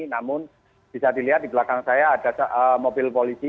namun bisa dilihat di belakang saya ada mobil polisi